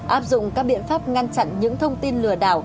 áp dụng các biện pháp ngăn chặn những thông tin lừa đảo